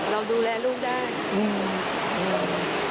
เราดูแลลูกได้